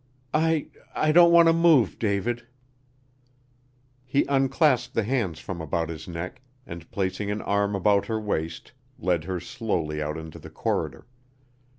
"I I don't want to move, David." He unclasped the hands from about his neck and, placing an arm about her waist, led her slowly out into the corridor.